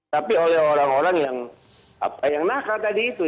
tapi oleh orang orang yang nakal tadi itu